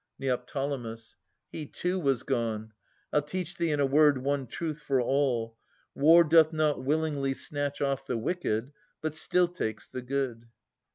Ned. He, too, was gone. I'll teach thee in a word One truth for all. War doth not willingly Snatch off the wicked, but still takes the good.